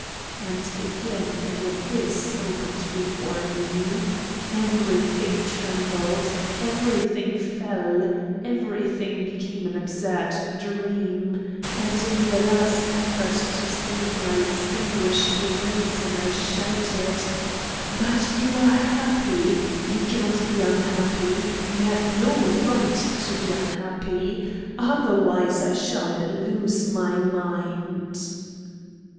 And again an abyss opened before me. Everything trembled, everything fell, everything became an absurd dream, and in the last effort to save my extinguishing reason I shouted: "But you are happy! You cannot be unhappy; you have no right to be unhappy! Otherwise I shall lose my mind."